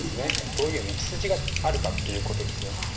どういう道筋があるかということですね。